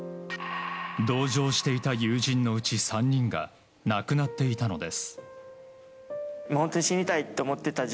同乗していた友人のうち３人が亡くなっていたのです。